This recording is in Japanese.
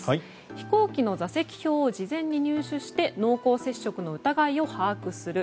飛行機の座席表を事前に入手して濃厚接触の疑いを把握する。